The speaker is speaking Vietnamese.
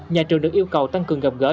nhà trường được yêu cầu tăng cường gặp gỡ